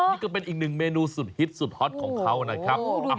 นี่ก็เป็นอีกหนึ่งเมนูสุดฮิตสุดฮอตของเขานะครับ